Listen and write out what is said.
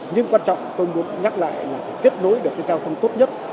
nhưng quan trọng tôi muốn nhắc lại là phải kết nối được cái giao thông tốt nhất